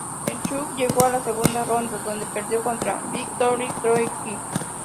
En Chung llegó a la segunda ronda, donde perdió contra Viktor Troicki.